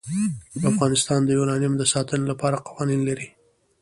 افغانستان د یورانیم د ساتنې لپاره قوانین لري.